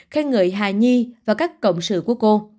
khen ngợi hà nhi và các cộng sự của cô